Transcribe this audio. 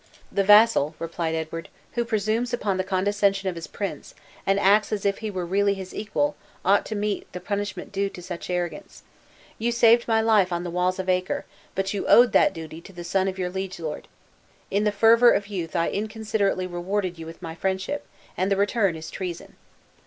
"The vassal," replied Edward, "who presumes upon the condescension of his prince, and acts as if he were really his equal, ought to meet the punishment due to such arrogance. You saved my life on the walls of Acre; but you owed that duty to the son of your liege lord. In the fervor of youth I inconsiderately rewarded you with my friendship, and the return is treason."